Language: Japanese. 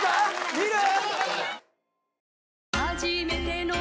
見る？